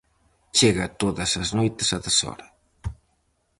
Chega todas as noites a deshora.